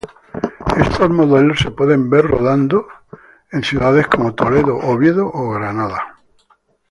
Estos modelos se pueden ver rodando en ciudades como Toledo, Oviedo o Granada.